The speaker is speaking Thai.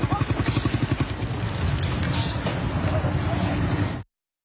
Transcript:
เฮ้ยเฮ้ยเฮ้ย